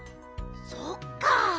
そっか。